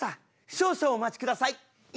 少々お待ちください。